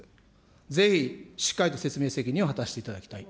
ぜひ、しっかりと説明責任を果たしていただきたいと。